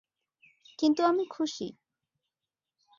কিন্তু আমি খুশি।